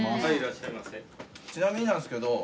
ちなみになんですけど。